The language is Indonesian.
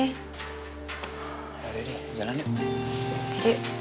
ya udah deh jalan yuk